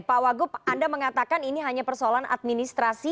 pak wagup anda mengatakan ini hanya persoalan administrasi